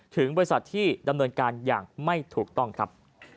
ถึงบริษัทที่ดำเนินการอย่างไม่ถูกต้องครับ